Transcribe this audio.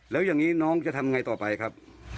แล้วอย่างนี้น้องจะทำไงต่อไปครับ